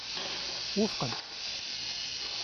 Wufqen.